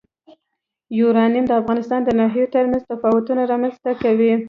یورانیم د افغانستان د ناحیو ترمنځ تفاوتونه رامنځ ته کوي.